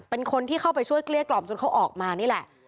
เป็นคนที่เข้าไปช่วยเกลี้ยกล่อมจนเขาออกมานี่แหละ